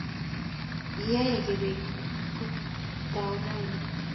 Iyie akebiko oltau lai